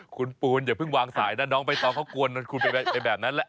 คุณปูนอย่าเพิ่งวางสายนะน้องใบตองเขากวนคุณไปแบบนั้นแหละ